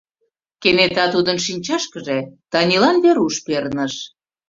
Кенета тудын шинчашкыже Танилан Веруш перныш.